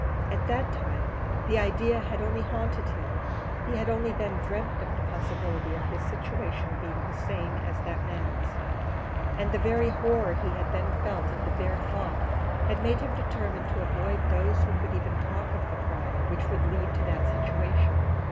At that time the idea had only haunted him; he had only then dreamt of the possibility of his situation being the same as that man's, and the very horror he had then felt at the bare thought had made him determined to avoid those who could even talk of the crime which would lead to that situation.